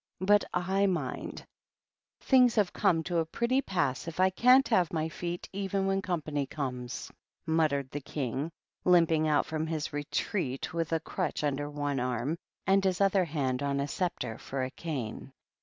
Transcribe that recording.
" But / mind. Things have come to a pretty pass if I can't have my feet, even when company comes," muttered the King, limping out from his retreat with a crutch under one arm, and his other hand on a sceptre for a cane.